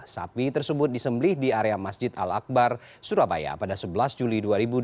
sapi tersebut disemblih di area masjid al akbar surabaya pada sebelas juli dua ribu dua puluh